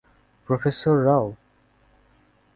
Professor Rao.